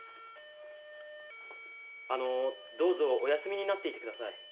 あのーどうぞお休みになっていてください。